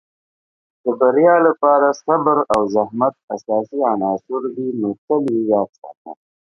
د بریا لپاره صبر او زحمت اساسي عناصر دي، نو تل یې یاد ساته.